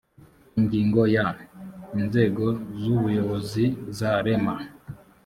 ingingo ya inzego z ubuyobozi za rema